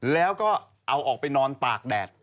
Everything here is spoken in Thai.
แล้วก็เอาออกไปนอนตากแดด